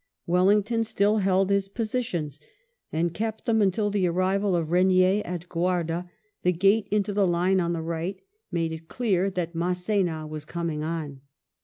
Wellington still held his positions, and kept them imtil the arrival of Regnier at Guarda, the gate into the line on the right, made it clear that Mass^na was coming on.